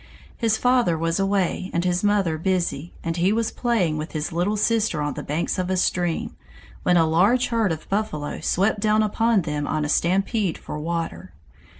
His father was away and his mother busy, and he was playing with his little sister on the banks of a stream, when a large herd of buffalo swept down upon them on a stampede for water.